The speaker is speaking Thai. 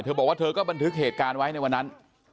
บอกว่าเธอก็บันทึกเหตุการณ์ไว้ในวันนั้น